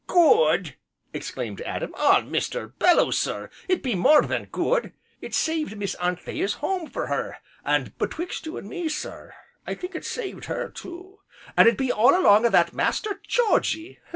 "Good!" exclaimed Adam, "Ah, Mr. Belloo sir! it be more than good, it's saved Miss Anthea's home for her, and betwixt you an' me, sir, I think it's saved her too. An' it be all along o' that Master Georgy!